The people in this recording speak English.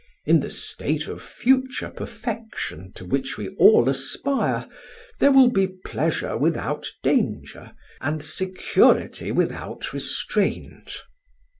In the state of future perfection to which we all aspire there will be pleasure without danger and security without restraint."